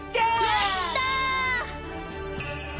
やった！